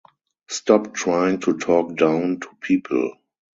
Stop trying to talk down to people.